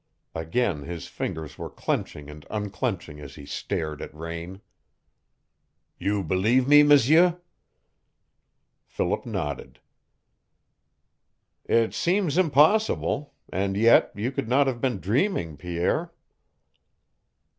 Again his fingers were clenching and unclenching as he stared at Raine. "You believe me, M'sieu?" Philip nodded. "It seems impossible. And yet you could not have been dreaming, Pierre."